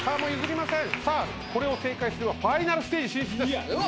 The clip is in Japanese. さあこれを正解すればファイナルステージ進出です。